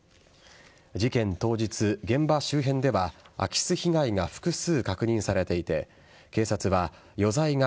事件当日、現場周辺では空き巣被害が複数確認されていて警察は余罪が